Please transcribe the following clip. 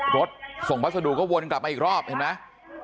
รถส่งพัสดุก็วนกลับมาอีกรอบเห็นไหม